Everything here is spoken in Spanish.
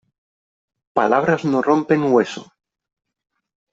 Palabras no rompen hueso.